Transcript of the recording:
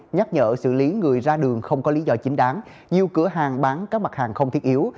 nhắc nhở xử lý người ra đường không có lý do chính đáng nhiều cửa hàng bán các mặt hàng không thiết yếu